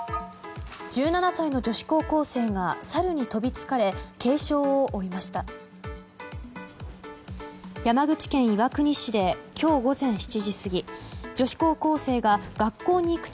１７歳の女子高校生がサルに飛びつかれ軽傷を負いました。